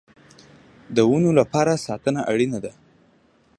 د ونو لپاره ساتنه اړین ده